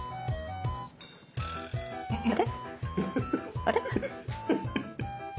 あれ？